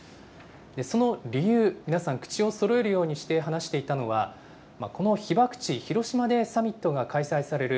その理由、皆さん、口をそろえるようにして話していたのは、この被爆地、広島でサミットが開催される